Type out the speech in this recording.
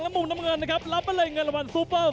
จิบลำตัวไล่แขนเสียบใน